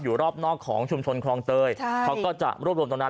อยู่รอบนอกของชุมชนคลองเตยใช่เขาก็จะรวบรวมตรงนั้น